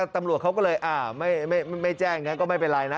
ตำรวจเขาก็เลยไม่แจ้งอย่างนั้นก็ไม่เป็นไรนะ